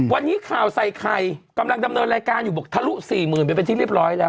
วันนี้ข่าวใส่ไข่กำลังดำเนินรายการอยู่บอกทะลุ๔๐๐๐ไปเป็นที่เรียบร้อยแล้ว